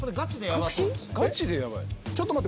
ちょっと待って。